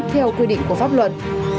theo quy định của pháp luật